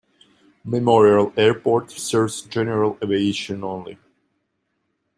Memorial Airport serves general aviation only.